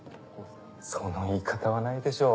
その言い方はないでしょ。